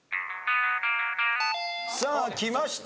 さあきました。